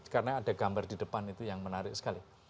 karena ada gambar di depan itu yang menarik sekali